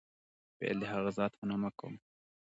پیل د هغه ذات په نامه کوم.